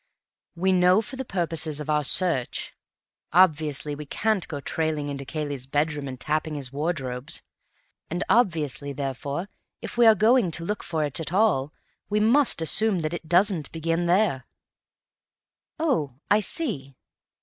"We know for the purposes of our search. Obviously we can't go tailing into Cayley's bedroom and tapping his wardrobes; and obviously, therefore, if we are going to look for it at all, we must assume that it doesn't begin there." "Oh, I see."